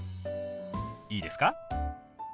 いいですか？